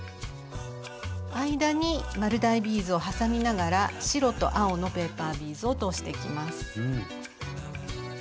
間に丸大ビーズを挟みながら白と青のペーパービーズを通していきます。